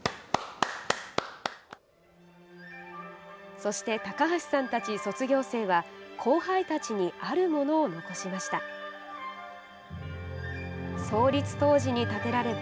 そして高橋さんたち卒業生は後輩たちにあるものを残しました。